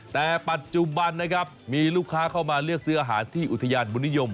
แต่ปัจจุบันนะครับมีลูกค้าเข้ามาเลือกซื้ออาหารที่อุทยานบุญนิยม